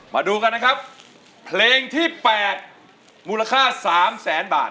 มาดูกันนะครับเพลงที่๘มูลค่า๓แสนบาท